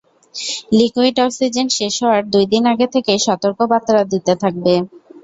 Liquid oxygen শেষ হওয়ার দুই দিন আগে থেকে সতর্ক বার্তা দিতে থাকবে।